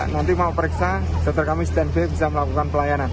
nanti mau periksa setelah kami standby bisa melakukan pelayanan